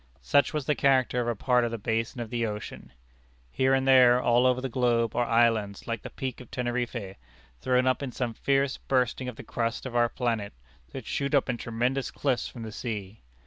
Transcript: Such was the character of a part of the basin of the ocean. Here and there, all over the globe, are islands, like the Peak of Teneriffe, thrown up in some fierce bursting of the crust of our planet, that shoot up in tremendous cliffs from the sea.